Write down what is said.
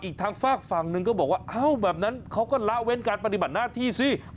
อีกทางฝากฝั่งหนึ่งก็บอกว่าเอ้าแบบนั้นเขาก็ละเว้นการปฏิบัติหน้าที่สิ